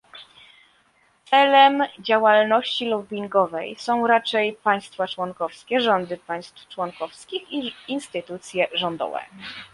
Celem działalności lobbingowej są raczej państwa członkowskie, rządy państw członkowskich i instytucje rządowe